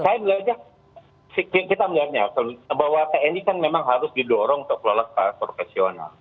saya belajar kita melihatnya bahwa tni kan memang harus didorong untuk lolos ke profesional